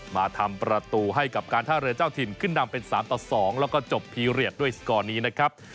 มาทำประตูให้กับการท่าเรือเจ้าถิ่นขึ้นนำเป็น๓ต่อ๒แล้วก็จบพีเรียสด้วยสกอร์นี้นะครับ